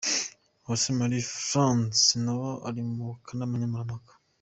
Uwase Marie France nawe uri mu kanama nkemurampaka.